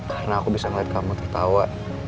karena aku bisa ngeliat kamu tertawa